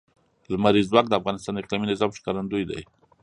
لمریز ځواک د افغانستان د اقلیمي نظام ښکارندوی ده.